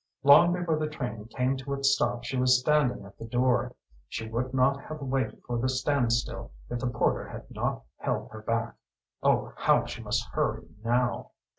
Long before the train came to its stop she was standing at the door. She would not have waited for the standstill if the porter had not held her back. Oh how she must hurry now!